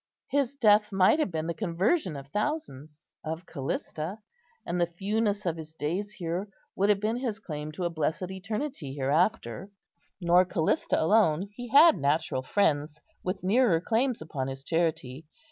His death might have been the conversion of thousands, of Callista; and the fewness of his days here would have been his claim to a blessed eternity hereafter. Nor Callista alone; he had natural friends, with nearer claims upon his charity.